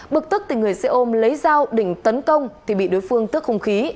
bực tức tình người xe ôm lấy dao định tấn công thì bị đối phương tức không khí